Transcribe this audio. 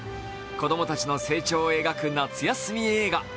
子供たちの成長を描く夏休み映画。